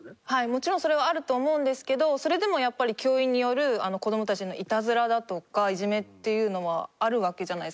もちろんそれはあると思うんですけどそれでもやっぱり教員による子どもたちへのいたずらだとかいじめっていうのはあるわけじゃないですか。